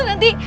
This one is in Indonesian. oh atau nanti